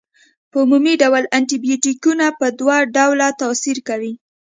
په عمومي ډول انټي بیوټیکونه په دوه ډوله تاثیر کوي.